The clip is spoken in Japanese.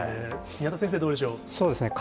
宮田先生、どうでしょう。